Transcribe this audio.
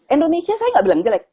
indonesia saya nggak bilang jelek